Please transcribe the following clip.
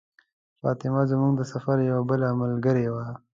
فاطمه زموږ د سفر یوه بله ملګرې وه.